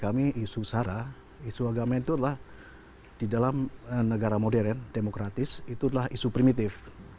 karena bagi kami isu sarah isu agama itu adalah di dalam negara modern demokratis itu adalah isu primitif